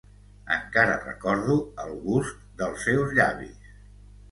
Encara recordo el gust dels seus llavis